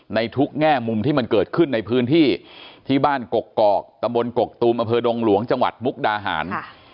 ในทุกแง่มุมที่มันเกิดขึ้นในพื้นที่ที่บ้านกกอกตำบลกกตูมอำเภอดงหลวงจังหวัดมุกดาหาร